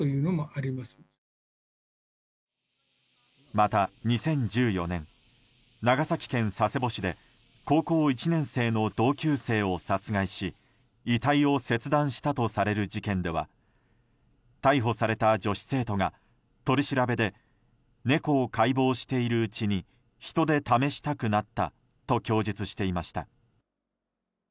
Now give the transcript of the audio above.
また、２０１４年長崎県佐世保市で高校１年生の同級生を殺害し遺体を切断したとされる事件では逮捕された女子生徒が取り調べで猫を解剖しているうちに人で試したくなったと供述していました。